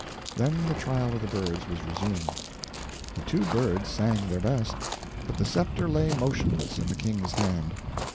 Then the trial of the birds was resumed. The two birds sang their best, but the scepter lay motionless in the king's hand.